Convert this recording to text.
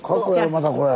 またこれ。